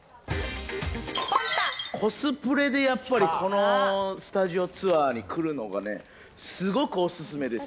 コスプレでやっぱり、このスタジオツアーに来るのがね、すごいお勧めです。